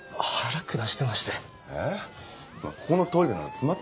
えっ？